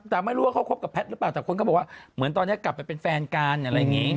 แต่ไม่รู้ว่าเขาคบกับแพทย์หรือเปล่าแต่คนก็บอกว่าเหมือนตอนนี้กลับไปเป็นแฟนกันอะไรอย่างนี้